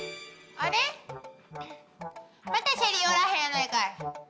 あれまたシェリおらへんやないかい。